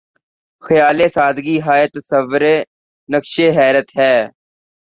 خیال سادگی ہائے تصور‘ نقشِ حیرت ہے